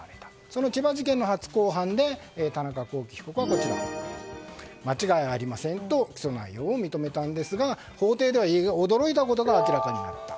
その千葉事件の初公判で田中聖被告は間違いありませんと起訴内容を認めたんですが法廷では驚くことが明らかになった。